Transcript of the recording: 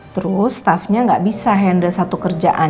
terus stafnya gak bisa handle satu kerjaan